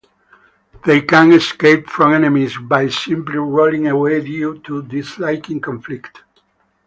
They can escape from enemies by simply rolling away due to disliking conflict.